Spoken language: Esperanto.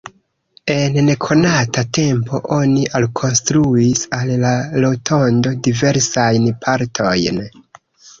En nekonata tempo oni alkonstruis al la rotondo diversajn partojn.